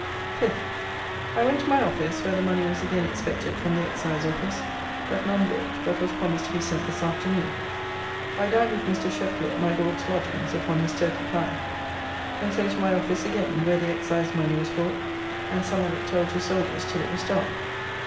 5th. I went to my office, where the money was again expected from the Excise office, but none brought, but was promised to be sent this afternoon. I dined with Mr. Sheply, at my Lord's lodgings, upon his turkey pie. And so to my office again; where the Excise money was brought, and some of it told to soldiers till it was dark.